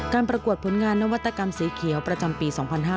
ประกวดผลงานนวัตกรรมสีเขียวประจำปี๒๕๕๙